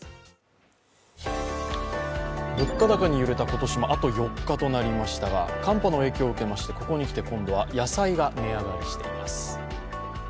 物価高に揺れた今年もあと４日となりましたが寒波の影響を受けましてここに来て今度は野菜が値上がりしています。